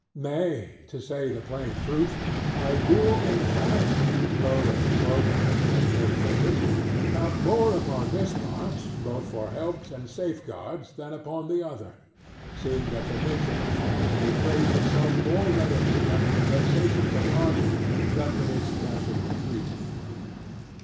Nay (to say the plain truth) I do in fact (low and vulgar as men may think it) count more upon this part both for helps and safeguards than upon the other; seeing that the nature of things betrays itself more readily under the vexations of art than in its natural freedom.